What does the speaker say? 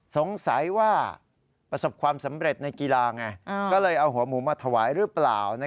สงสัยว่าประสบความสำเร็จในกีฬาไงก็เลยเอาหัวหมูมาถวายหรือเปล่า